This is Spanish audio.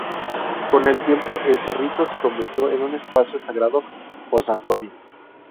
Con el tiempo, El Cerrito se convirtió en un espacio sagrado o santuario.